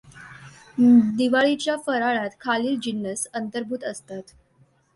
दिवाळीच्या फराळात खालील जिन्नस अंतर्भूत असतात